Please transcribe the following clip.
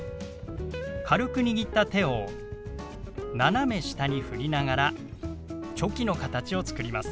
軽く握った手を斜め下にふりながらチョキの形を作ります。